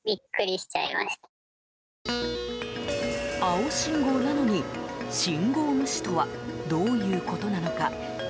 青信号なのに信号無視とはどういうことなのか。